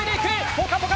「ぽかぽか」